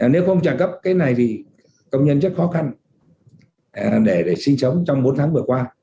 nếu không trả cấp cái này thì công nhân rất khó khăn để sinh sống trong bốn tháng vừa qua